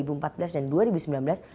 bapak tidak dipercaya